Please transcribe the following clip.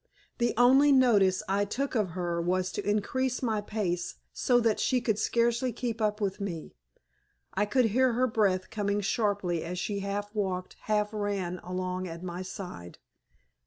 The only notice I took of her was to increase my pace so that she could scarcely keep up with me. I could hear her breath coming sharply as she half walked, half ran along at my side.